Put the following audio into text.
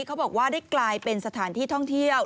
เขาบอกว่าได้กลายเป็นสถานที่ท่องเที่ยว